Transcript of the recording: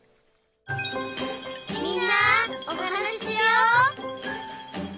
「みんなおはなししよう」